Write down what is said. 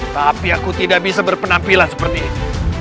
tapi aku tidak bisa berpenampilan seperti ini